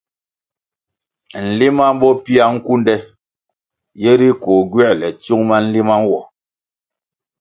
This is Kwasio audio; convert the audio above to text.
Nlima bo pia nkunde yeri koh gywēle tsiung ma nlima nwo.